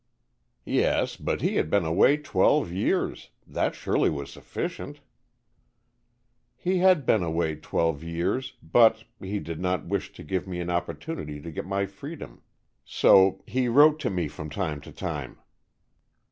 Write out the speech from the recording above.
"Yes, but he had been away twelve years. That surely was sufficient." "He had been away twelve years, but he did not wish to give me an opportunity to get my freedom. So he wrote to me from time to time."